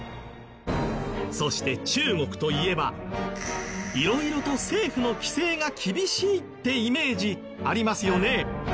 そして中国といえば色々と政府の規制が厳しいってイメージありますよね？